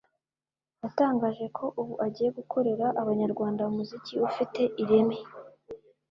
yatangaje ko ubu agiye gukorera abanyarwanda umuziki ufite ireme